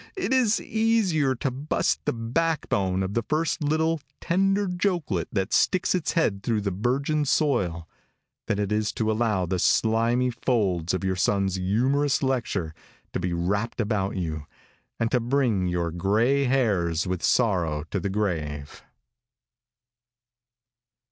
It is easier to bust the backbone of the first little, tender jokelet that sticks its head through the virgin soil, than it is to allow the slimy folds of your son's youmorous lecture to be wrapped about you, and to bring your gray hairs with sorrow to the grave."